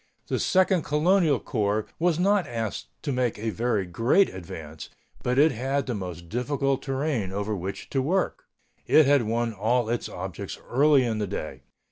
The Second Colonial Corps was not asked to make a very great advance, but it had the most difficult terrain over which to work. It had won all its objects early in the day.